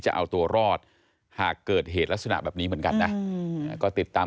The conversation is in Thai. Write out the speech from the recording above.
จะเอาตัวรอดหากเกิดเหตุลักษณะแบบนี้เหมือนกันนะก็ติดตาม